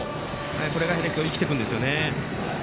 これが今日、生きてくるんです。